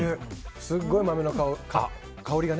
すごい豆の香りがね。